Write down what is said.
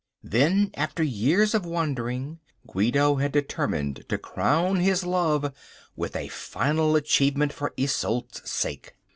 Then, after years of wandering, Guido had determined to crown his love with a final achievement for Isolde's sake.